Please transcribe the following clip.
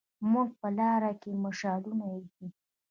موږ يې په لار کې مشالونه ايښي